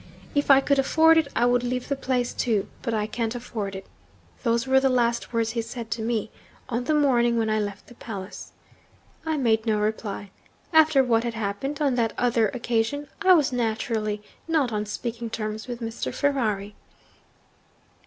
"If I could afford it, I would leave the place too; but I can't afford it." Those were the last words he said to me, on the morning when I left the palace. I made no reply. After what had happened (on that other occasion) I was naturally not on speaking terms with Mr. Ferrari.'